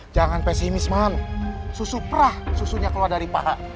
jangan pesimis man susu perah susunya keluar dari paha